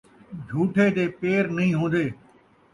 جھوٹھے دے پیر نئیں ہون٘دے